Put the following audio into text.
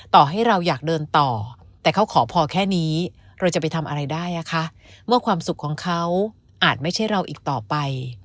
ต่อให้เราอยากเดินต่อแต่เขาขอพอแค่นี้เราจะไปทำอะไรได้อ่ะคะเมื่อความสุขของเขาอาจไม่ใช่เราอีกต่อไป